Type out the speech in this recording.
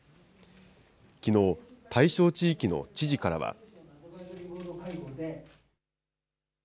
きのう、対象地域の知事からは。